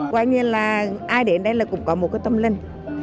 coi như là ai đến đây là cũng có một cái tâm linh